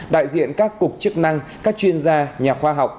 đại diện các cục chức năng các chuyên gia nhà khoa học